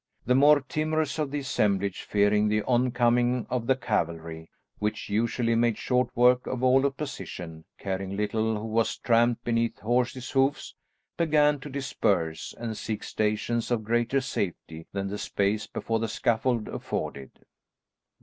The more timorous of the assemblage, fearing the oncoming of the cavalry, which usually made short work of all opposition, caring little who was trampled beneath horses' hoofs, began to disperse, and seek stations of greater safety than the space before the scaffold afforded.